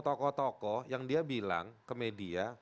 tokoh tokoh yang dia bilang ke media